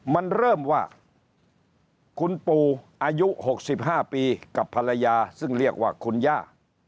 มันเริ่มว่าคุณปู่อายุ๖๕ปีกับภรรยาซึ่งเรียกว่าคุณย่า